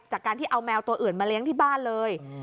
จากการที่เอาแมวตัวอื่นมาเลี้ยงที่บ้านเลย